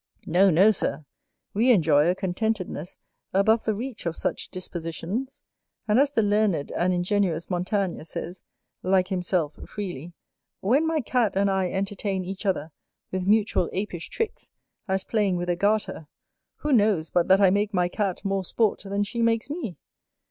No, no, Sir, we enjoy a contentedness above the reach of such dispositions, and as the learned and ingenuous Montaigne says, like himself, freely, "When my Cat and I entertain each other with mutual apish tricks, as playing with a garter, who knows but that I make my Cat more sport than she makes me?